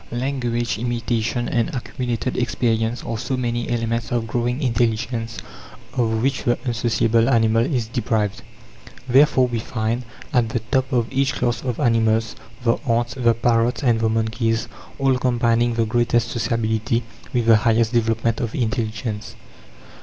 Language, imitation, and accumulated experience are so many elements of growing intelligence of which the unsociable animal is deprived. Therefore we find, at the top of each class of animals, the ants, the parrots, and the monkeys, all combining the greatest sociability with the highest development of intelligence.